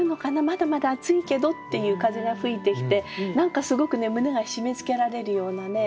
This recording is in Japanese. まだまだ暑いけどっていう風が吹いてきて何かすごくね胸が締めつけられるようなね